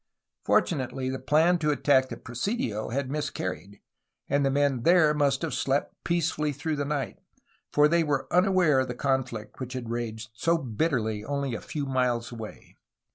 Fortunately the plan to attack the presidio had miscar ried, and the men there must have slept peacefully through the night, for they were unaware of the conflict which had raged so bitterly only a few miles away.